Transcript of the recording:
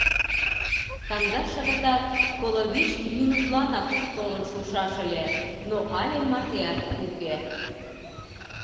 Кандаш шагатат коло вич минутланак толын шушаш ыле, но але мартеат уке..